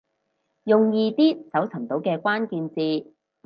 用易啲搜尋到嘅關鍵字